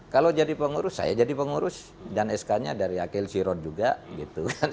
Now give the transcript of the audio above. kalau jadi pengurus saya jadi pengurus dan sk nya dari akil sirot juga gitu kan